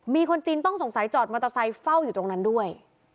มีคนจีนต้องสงสัยจอดมอเตอร์ไซค์เฝ้าอยู่ตรงนั้นด้วย